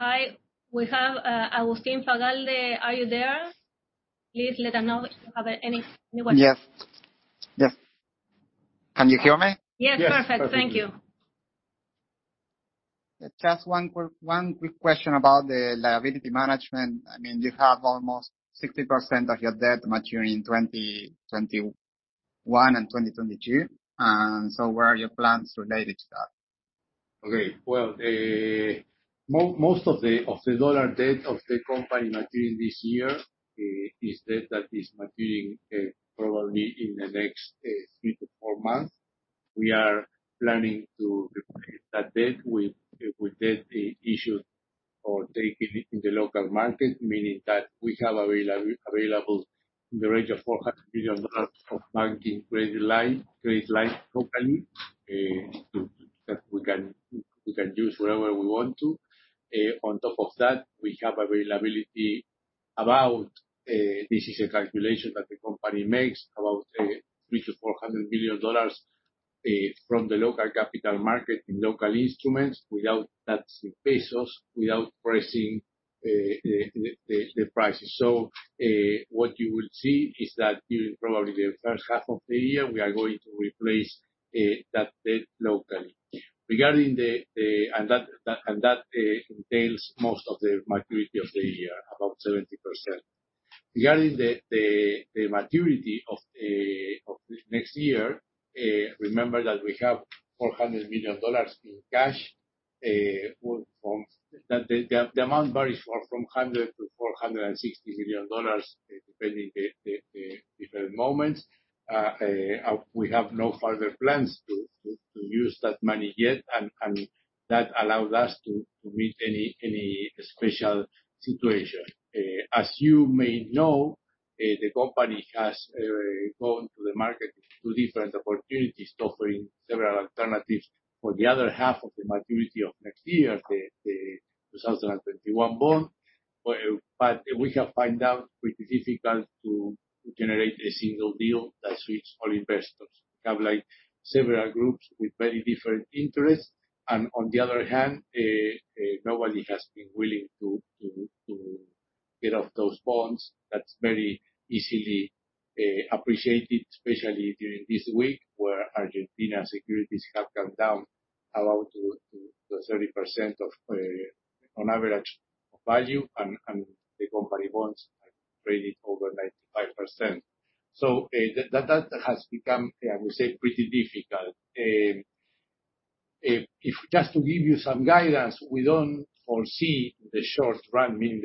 Hi, we have Agustín Falalde. Are you there? Please let us know if you have any questions. Yes. Can you hear me? Yes, perfect. Thank you. Just one quick question about the liability management. You have almost 60% of your debt maturing in 2021 and 2022. Where are your plans related to that? Well, most of the dollar debt of the company maturing this year is debt that is maturing probably in the next 3 to 4 months. We are planning to replace that debt with debt issued or taken in the local market, meaning that we have available in the range of ARS 400 million of banking credit line locally, that we can use wherever we want to. On top of that, we have availability about, this is a calculation that the company makes, about ARS 300 million-ARS 400 million from the local capital market in local instruments, without touching pesos, without raising the prices. What you will see is that during probably the first half of the year, we are going to replace that debt locally. That entails most of the maturity of the year, about 70%. Regarding the maturity of next year, remember that we have ARS 400 million in cash. The amount varies from ARS 100 million-ARS 460 million, depending the different moments. We have no further plans to use that money yet. That allows us to meet any special situation. As you may know, the company has gone to the market in two different opportunities, offering several alternatives for the other half of the maturity of next year, the 2021 bond. We have found out it's pretty difficult to generate a single deal that suits all investors. We have several groups with very different interests. On the other hand, nobody has been willing to get off those bonds. That's very easily appreciated, especially during this week where Argentina securities have come down about to 30% on average of value. The company bonds are traded over 95%. That has become, I would say, pretty difficult. Just to give you some guidance, we don't foresee the short run, meaning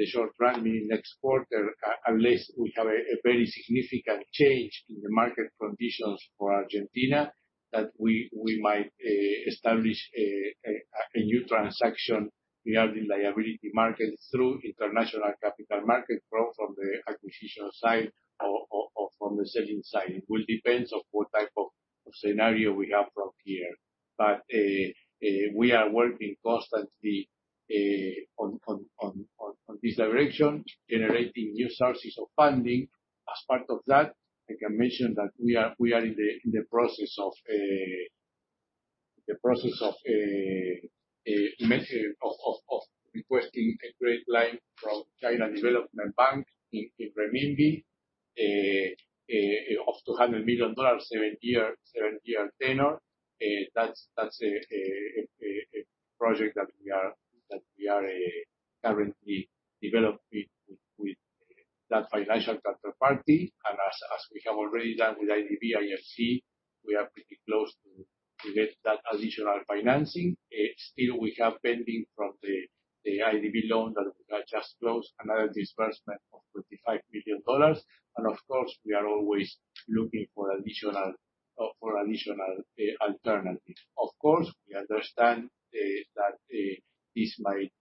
next quarter, unless we have a very significant change in the market conditions for Argentina, that we might establish a new transaction regarding liability market through international capital market, both from the acquisition side or from the selling side. It will depend on what type of scenario we have from here. We are working constantly on this direction, generating new sources of funding. As part of that, I can mention that we are in the process of requesting a credit line from China Development Bank in renminbi of CNY 200 million, 7-year tenor. That's a project that we are currently developing with that financial counterparty. As we have already done with IDB, IFC, we are pretty close to get that additional financing. Still we have pending from the IDB loan that we have just closed, another disbursement of $25 million. Of course, we are always looking for additional alternatives. Of course, we understand that this might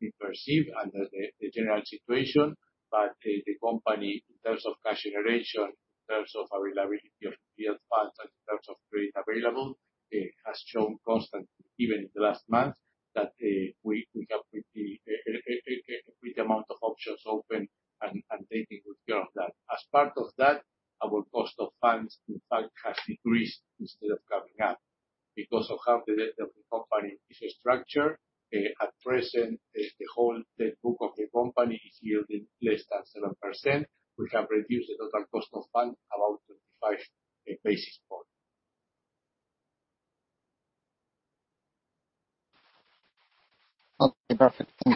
be perceived under the general situation, but the company, in terms of cash generation, in terms of availability of funds, and in terms of credit available, has shown constantly, even in the last month, that we have a great amount of options open and taking good care of that. As part of that, our cost of funds, in fact, has decreased instead of going up because of how the debt of the company is structured. At present, the whole debt book of the company is yielding less than 7%. We have reduced the total cost of fund about 25 basis points. Okay,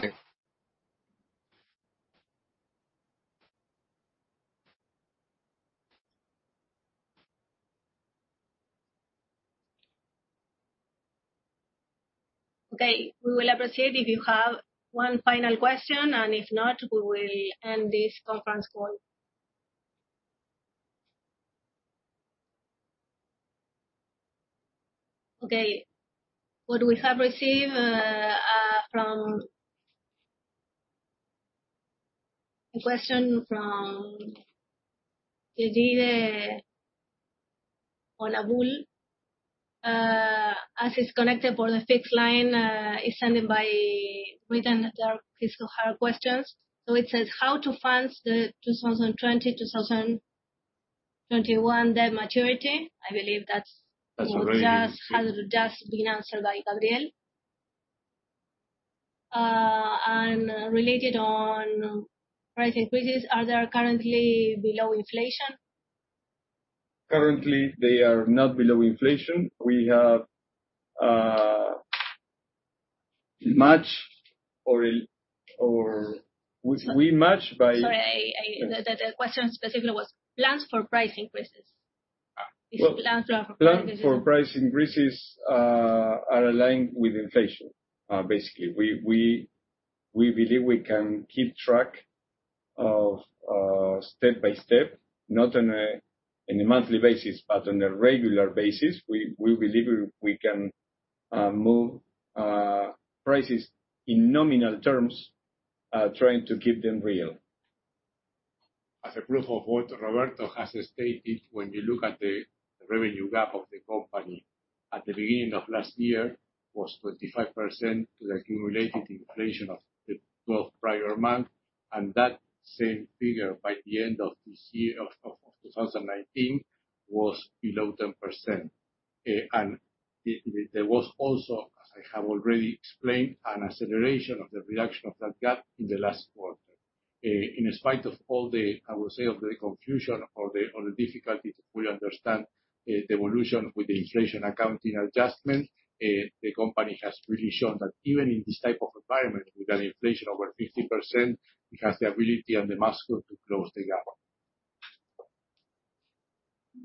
perfect. Thank you. Okay. We will appreciate if you have one final question, and if not, we will end this conference call. Okay. What we have received, a question from Judy Labou. As is connected for the fixed line, is sending by written his or her questions. It says, how to fund the 2020, 2021 debt maturity? That's already been- Has just been answered by Gabriel. Related on price increases, are they currently below inflation? Currently, they are not below inflation. We match. Sorry, the question specifically was plans for price increases. Plans for price increases are aligned with inflation, basically. We believe we can keep track of step by step, not on a monthly basis, but on a regular basis. We believe we can move prices in nominal terms, trying to keep them real. As a proof of what Roberto has stated, when you look at the revenue gap of the company at the beginning of last year, it was 25% to the accumulated inflation of the 12 prior months. That same figure by the end of 2019 was below 10%. There was also, as I have already explained, an acceleration of the reduction of that gap in the last quarter. In spite of all the, I will say, of the confusion or the difficulty to fully understand the evolution with the inflation accounting adjustment, the company has really shown that even in this type of environment, with an inflation over 50%, it has the ability and the muscle to close the gap.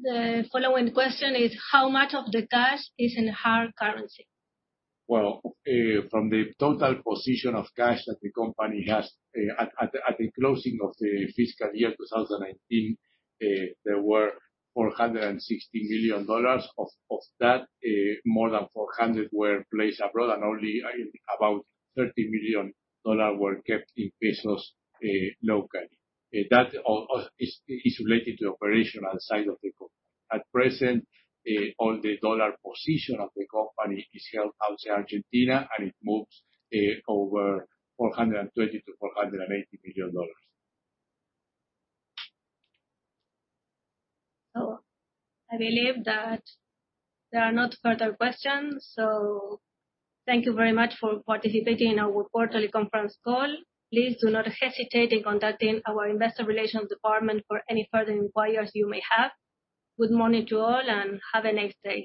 The following question is how much of the cash is in hard currency? Well, from the total position of cash that the company has at the closing of the fiscal year 2019, there were $460 million. Of that, more than $400 million were placed abroad, and only about ARS 30 million were kept in pesos locally. That is related to operational side of the company. At present, all the dollar position of the company is held outside Argentina, and it moves over $420 million-$480 million. I believe that there are no further questions, so thank you very much for participating in our quarterly conference call. Please do not hesitate in contacting our investor relations department for any further inquiries you may have. Good morning to all, and have a nice day.